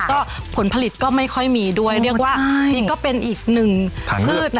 ก็ผลผลิตก็ไม่ค่อยมีด้วยเรียกว่านี่ก็เป็นอีกหนึ่งพืชนะ